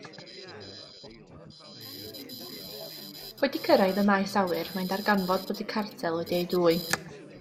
Wedi cyrraedd y maes awyr mae'n darganfod bod y Cartel wedi ei dwyn.